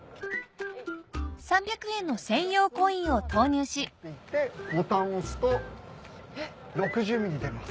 ３００円の専用コインを投入しボタンを押すと６０ミリ出ます。